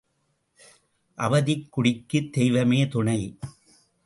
அவதிக் குடிக்குத் தெய்வமே துணை.